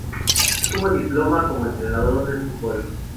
Tuvo diploma como entrenador de fútbol.